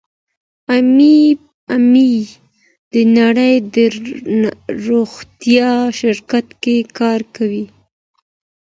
ایمي د نړۍ د روغتیا شرکت کې کار کوي.